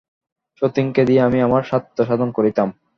সতিনকে দিয়া আমি আমার স্বার্থ সাধন করিতাম।